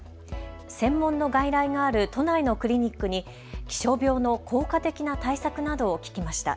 専門の外来がある都内のクリニックに気象病の効果的な対策などを聞きました。